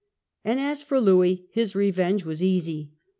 And as for Louis his revenge was easy.